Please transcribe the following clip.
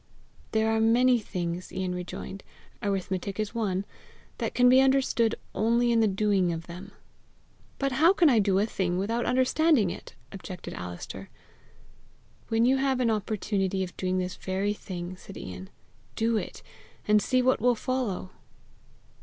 "There are many things," Ian rejoined, " arithmetic is one that can be understood only in the doing of them." "But how can I do a thing without understanding it?" objected Alister. "When you have an opportunity of doing this very thing," said Ian, "do it, and see what will follow!"